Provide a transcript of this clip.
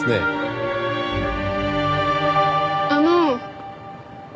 あの。